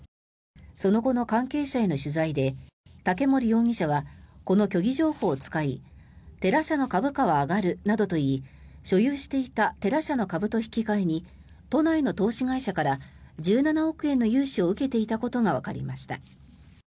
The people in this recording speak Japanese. その後の関係者への取材で竹森容疑者はこの虚偽情報を使いテラ社の株価は上がるなどと言い所有していたテラ社の株と引き換えに都内の投資会社から１７億円の融資を受けていたことがわかりました。